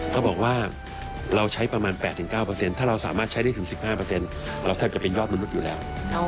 เขาบอกว่าเราใช้ประมาณ๘๙ถ้าเราสามารถใช้ได้ถึง๑๕เราแทบจะเป็นยอดมนุษย์อยู่แล้ว